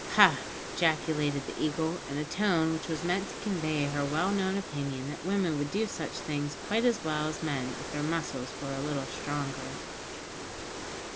"Ha!" ejaculated the Eagle, in a tone which was meant to convey her well known opinion that women would do such things quite as well as men if their muscles were a little stronger.